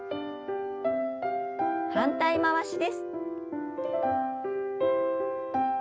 反対回しです。